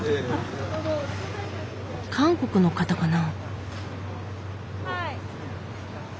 韓国の方かな？